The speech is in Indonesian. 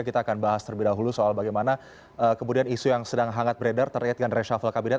kita akan bahas terlebih dahulu soal bagaimana kemudian isu yang sedang hangat beredar terkait dengan reshuffle kabinet